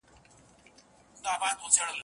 په دې زور سو له لحده پاڅېدلای